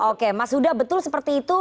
oke mas huda betul seperti itu